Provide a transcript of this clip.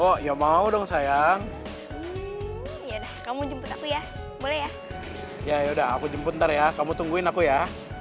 oh ya mau dong sayang ya dah kamu jemput aku ya boleh ya yaudah aku jemput ntar ya kamu tungguin aku ya